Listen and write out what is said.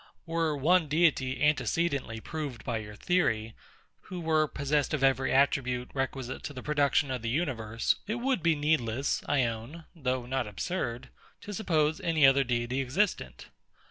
Were one deity antecedently proved by your theory, who were possessed of every attribute requisite to the production of the universe; it would be needless, I own, (though not absurd,) to suppose any other deity existent.